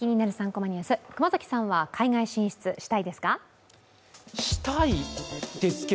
３コマニュース」、熊崎さんは海外進出、したいですか？